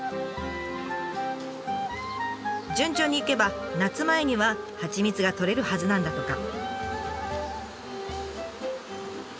順調にいけば夏前には蜂蜜が採れるはずなんだとか。